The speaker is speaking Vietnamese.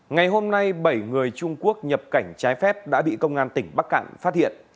ngày hôm nay bảy người trung quốc nhập cảnh trái phép đã bị công an tỉnh bắc cạn phát hiện